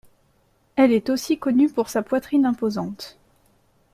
Elle est aussi connue pour sa poitrine imposante.